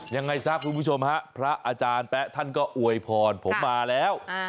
ยังไงซะคุณผู้ชมฮะพระอาจารย์แป๊ะท่านก็อวยพรผมมาแล้ว